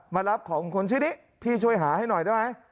มารับของคนชื่อนี้พี่ช่วยหาให้หน่อยได้ไหม